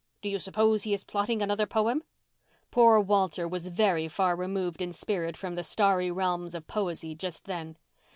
Do you suppose he is plotting another poem?" Poor Walter was very far removed in spirit from the starry realms of poesy just then.